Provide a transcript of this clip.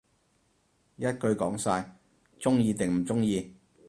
一句講晒，鍾意定唔鍾意